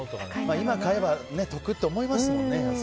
今、買えば得って思いますもんね。